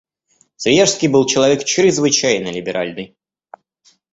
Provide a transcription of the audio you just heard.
Свияжский был человек чрезвычайно либеральный.